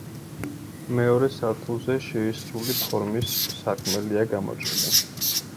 მეორე სართულზე შეისრული ფორმის სარკმელია გამოჭრილი.